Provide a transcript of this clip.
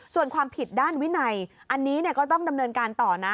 ส่วนความผิดด้านวินัยอันนี้ก็ต้องดำเนินการต่อนะ